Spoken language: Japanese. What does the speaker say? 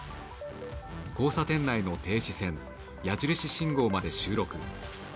交差点内の停止線矢印信号まで収録。